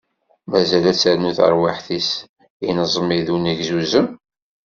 Mazal ad ternu terwiḥt-is ineẓmi d unegzuzem.